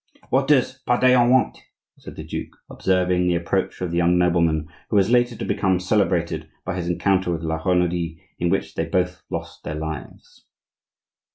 "What does Pardaillan want?" said the duke, observing the approach of the young nobleman who was later to become celebrated by his encounter with La Renaudie, in which they both lost their lives.